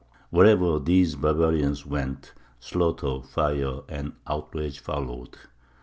Wherever these barbarians went, slaughter, fire and outrage followed.